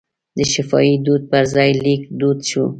د شفاهي دود پر ځای لیک دود شو.